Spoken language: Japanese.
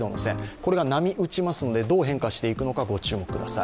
これが波打ちますのでどう変化していくのかご注意ください。